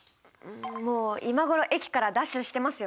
もう今頃駅からダッシュしてますよ。